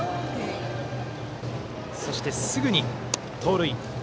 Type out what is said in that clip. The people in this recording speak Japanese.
そして、すぐに盗塁。